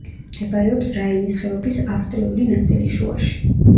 მდებარეობს რაინის ხეობის ავსტრიული ნაწილის შუაში.